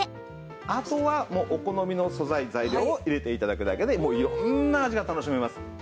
あとはお好みの素材材料を入れて頂くだけで色んな味が楽しめます。